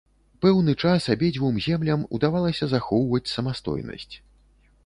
Пэўны час абедзвюм землям удавалася захоўваць самастойнасць.